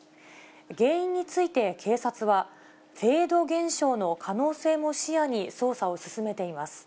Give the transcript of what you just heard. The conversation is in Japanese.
原因について警察は、フェード現象の可能性も視野に捜査を進めています。